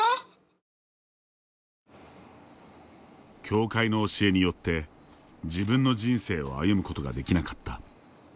教会の教えによって自分の人生を歩むことができなかった。